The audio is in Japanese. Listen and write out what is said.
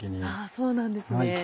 そうなんですね。